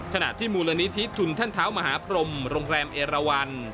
ขณะที่มูลนิธิทุนท่านเท้ามหาพรมโรงแรมเอราวัน